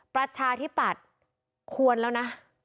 ประชาธิปัตย์ควรแล้วนะ